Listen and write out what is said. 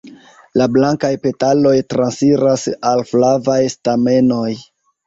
La blankaj petaloj transiras al flavaj stamenoj.